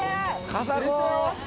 カサゴ。